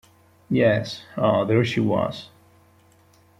Yes; ah, there she was!